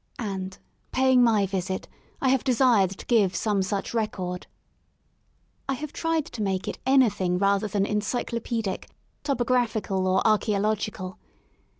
And, paying my visit, I have desired to give some such record. I have tried to make it anything rather than ency clopaedic, topographical, or archaeological.